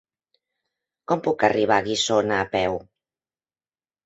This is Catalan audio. Com puc arribar a Guissona a peu?